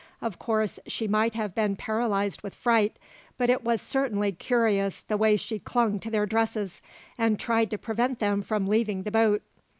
Of course, she might have been paralysed with fright, but it was certainly curious the way she clung to their dresses, and tried to prevent them from leaving the boat."